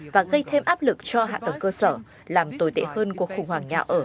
và gây thêm áp lực cho hạ tầng cơ sở làm tồi tệ hơn cuộc khủng hoảng nhà ở